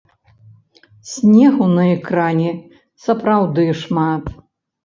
Снегу на экране сапраўды шмат.